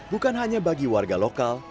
bukan hanya bagi warga lokal